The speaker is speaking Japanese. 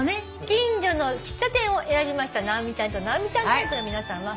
「近所の喫茶店」を選びました直美ちゃんと直美ちゃんタイプの皆さんは。